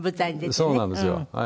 そうなんですよ。